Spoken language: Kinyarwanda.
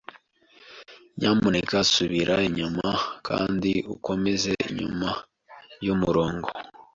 Nyamuneka subira inyuma kandi ukomeze inyuma y'umurongo.